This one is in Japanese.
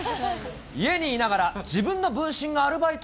家にいながら、自分の分身がアルバイト？